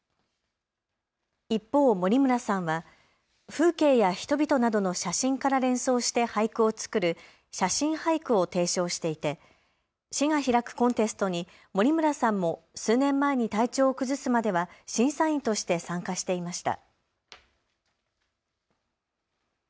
一方、森村さんは風景や人々などの写真から連想して俳句を作る写真俳句を提唱していて市が開くコンテストに森村さんも数年前に体調を崩すまでは審査員として参加していました。